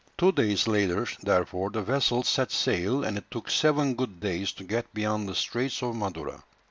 Two days later therefore the vessel set sail, and it took seven good days to get beyond the straits of Madura.